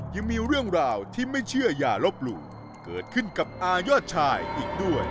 ยังมีเรื่องราวที่ไม่เชื่ออย่าลบหลู่เกิดขึ้นกับอายอดชายอีกด้วย